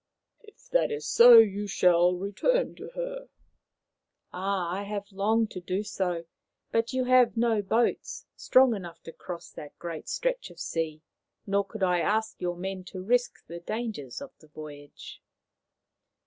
" If that is so you shall return to her." " I have longed to do so ; but you have no boats strong enough to cross that great stretch of sea, nor could I ask your men to risk the dangers of the voyage."